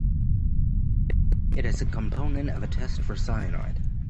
It is a component of a test for cyanide.